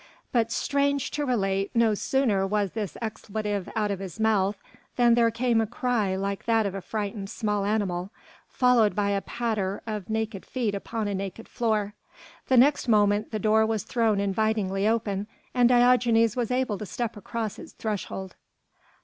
But strange to relate no sooner was this expletive out of his mouth, than there came a cry like that of a frightened small animal, followed by a patter of naked feet upon a naked floor; the next moment the door was thrown invitingly open, and Diogenes was able to step across its thresh hold.